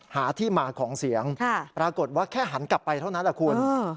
หาที่มาของเสียงปรากฏว่าแค่หันกลับไปเท่านั้นแหละคุณ